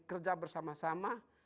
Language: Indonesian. untuk bekerja bersama sama